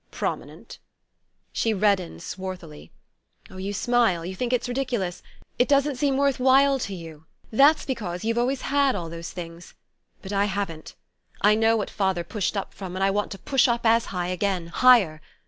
"Prominent?" She reddened swarthily. "Oh, you smile you think it's ridiculous: it doesn't seem worth while to you. That's because you've always had all those things. But I haven't. I know what father pushed up from, and I want to push up as high again higher.